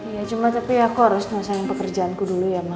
iya cuma tapi aku harus menyelesaikan pekerjaanku dulu ya mas